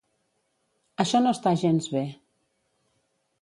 Això no està gens bé.